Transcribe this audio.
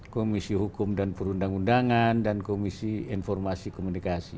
komisi hukum dan perundang undangan dan komisi informasi komunikasi